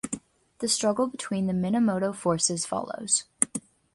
The struggle between the Minamoto forces follows.